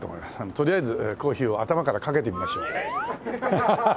とりあえずコーヒーを頭からかけてみましょう。